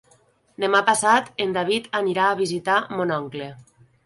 Demà passat en David anirà a visitar mon oncle.